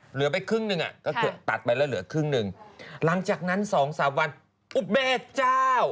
เหลือไปครึ่งหนึ่งอะก็เกิดตัดไปแล้วเหลือครึ่งหนึ่งหลังจากนั้น๒๓วันอุ้ยแม่เจ้า